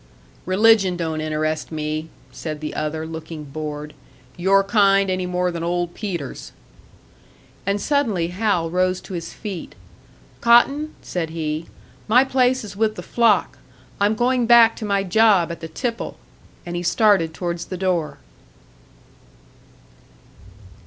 "Religion don't interest me," said the other, looking bored; "your kind any more than Old Peter's." And suddenly Hal rose to his feet. "Cotton," said he, "my place is with the flock! I'm going back to my job at the tipple!" And he started towards the door.